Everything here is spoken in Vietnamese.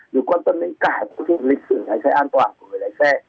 được quan tâm đến cả lịch sử lái xe an toàn của người lái xe